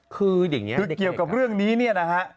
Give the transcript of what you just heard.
คือเกี่ยวกับเรื่องนี้เนี่ยนะฮะ